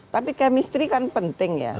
tapi chemistry kan penting ya